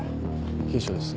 警視庁です。